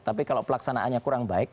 tapi kalau pelaksanaannya kurang baik